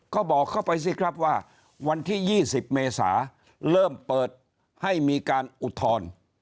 ก็บอกเข้าไปสิครับว่าวันที่๒๐เมษาเริ่มเปิดให้มีการอุทธรณ์